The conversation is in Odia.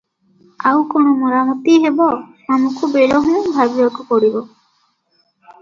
ଆଉ କଣ ମରାମତି ହେବ ଆମକୁ ବେଳ ହୁଁ ଭାବିବାକୁ ପଡ଼ିବ ।